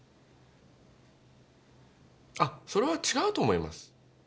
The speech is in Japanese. あそれは違うと思います。